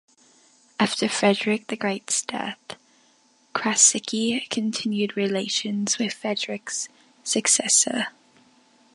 After Frederick the Great's death, Krasicki continued relations with Frederick's successor.